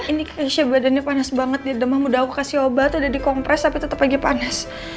ini kayaknya badannya panas banget demam udah aku kasih obat udah dikompres tapi tetap lagi panas